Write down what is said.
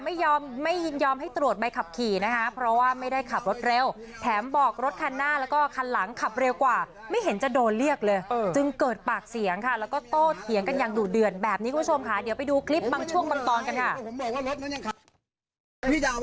ไม่ยอมไม่ยินยอมให้ตรวจใบขับขี่นะคะเพราะว่าไม่ได้ขับรถเร็วแถมบอกรถคันหน้าแล้วก็คันหลังขับเร็วกว่าไม่เห็นจะโดนเรียกเลยจึงเกิดปากเสียงค่ะแล้วก็โตเถียงกันอย่างดุเดือดแบบนี้คุณผู้ชมค่ะเดี๋ยวไปดูคลิปบางช่วงบางตอนกันค่ะ